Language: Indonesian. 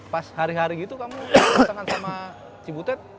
pas hari hari gitu kamu pasangan sama cibutet